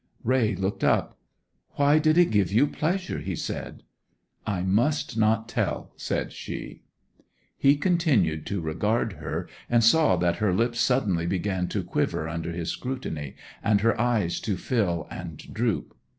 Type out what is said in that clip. Raye looked up. 'Why did it give you pleasure?' he asked. 'I must not tell,' said she. He continued to regard her, and saw that her lips suddenly began to quiver under his scrutiny, and her eyes to fill and droop.